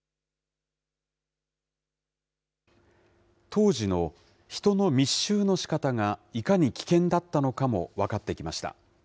当時の人の密集のしかたがいかに危険だったのかも分かってきました。